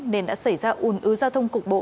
nên đã xảy ra un ưu giao thông cục bộ